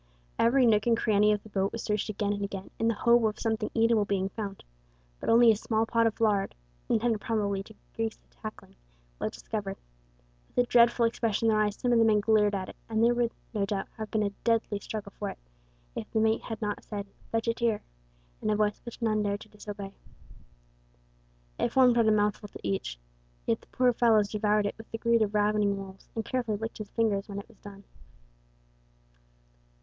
Every nook and cranny of the boat was searched again and again in the hope of something eatable being found, but only a small pot of lard intended probably to grease the tackling was discovered. With a dreadful expression in their eyes some of the men glared at it, and there would, no doubt, have been a deadly struggle for it if the mate had not said, "Fetch it here," in a voice which none dared to disobey. It formed but a mouthful to each, yet the poor fellows devoured it with the greed of ravening wolves, and carefully licked their fingers when it was done.